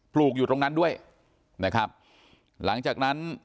ลูกอยู่ตรงนั้นด้วยนะครับหลังจากนั้น